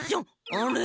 あれ？